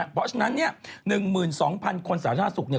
เพราะฉะนั้นเนี่ย๑๒๐๐๐คนสาธารณาสุขเนี่ย